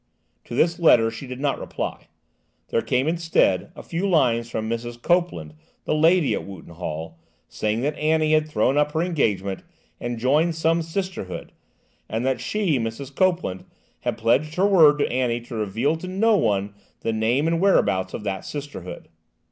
To this letter she did not reply; there came instead a few lines from Mrs. Copeland, the lady at Wootton Hall, saying that Annie had thrown up her engagement and joined some Sisterhood, and that she, Mrs. Copeland, had pledged her word to Annie to reveal to no one the name and whereabouts of that Sisterhood."